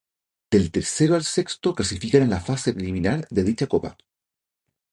Del tercero al sexto clasifican a la fase preliminar de dicha Copa.